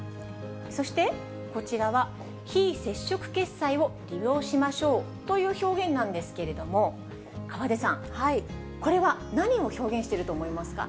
そして、こちらは非接触決済を利用しましょうという表現なんですけれども、河出さん、これは何を表現してると思いますか？